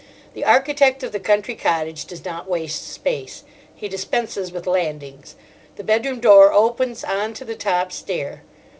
The architect of the country cottage does not waste space. He dispenses with landings; the bedroom door opens on to the top stair.